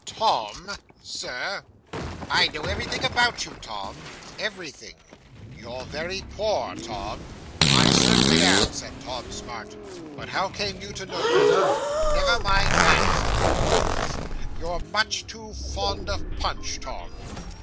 Tom " '"Sir " '"I know everything about you, Tom; everything. You're very poor, Tom." '"I certainly am," said Tom Smart. "But how came you to know that?" '"Never mind that," said the old gentleman; "you're much too fond of punch, Tom."